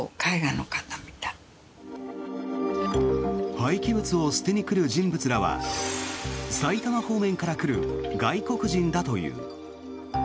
廃棄物を捨てに来る人物らは埼玉方面から来る外国人だという。